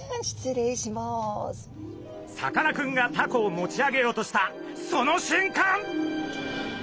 さかなクンがタコを持ち上げようとしたそのしゅんかん！